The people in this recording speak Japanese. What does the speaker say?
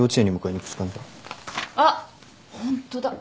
あっホントだ。